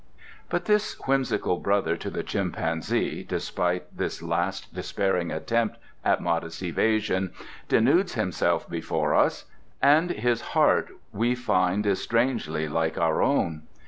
But this whimsical brother to the chimpanzee, despite this last despairing attempt at modest evasion, denudes himself before us. And his heart, we find is strangely like our own.